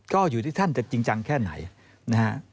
ก็อยู่ที่ท่านจะจริงจังแค่ไหนนะฮะ